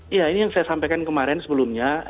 iya ini yang saya sampaikan kemarin sebelumnya